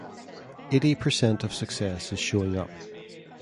Eighty percent of success is showing up